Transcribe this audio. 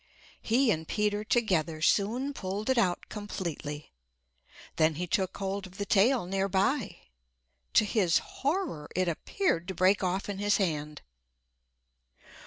He and Peter together soon pulled it out completely. Then he took hold of the tail nearby. To his horror it appeared to break off in his hand.